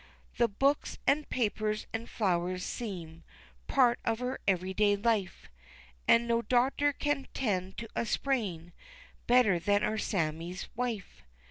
The books, an' papers, an' flowers seem Part of her every day life, An' no doctor can 'tend to a sprain Better than our Sammie's wife.